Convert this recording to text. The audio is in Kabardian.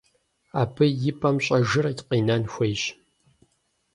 Абы и пӀэм щӀэжыр къинэн хуейщ.